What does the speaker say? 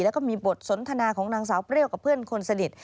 แล้วก็มีบทสนทนาของนางสาวเปรี้ยวกับเพื่อนคนสนิท